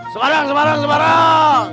semarang semarang semarang